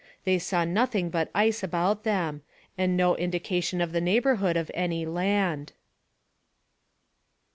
They saw nothing but ice about them, and no indication of the neighbourhood of any land.